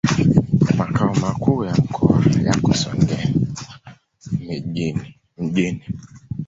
Makao makuu ya mkoa yako Songea mjini.